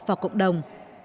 vào cộng đồng